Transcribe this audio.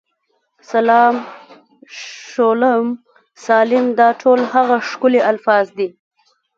سلام، شالوم، سالم، دا ټول هغه ښکلي الفاظ دي.